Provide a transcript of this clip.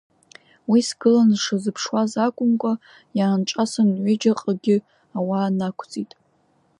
Уи сгыланы сшазыԥшуаз акәымкәа иаанҿасын ҩыџьаҟагьы ауаа нақәҵит.